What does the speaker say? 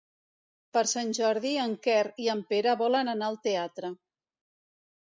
Per Sant Jordi en Quer i en Pere volen anar al teatre.